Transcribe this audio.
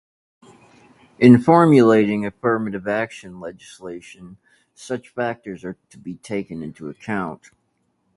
In formulating affirmative action legislation, such factors are to be taken into account.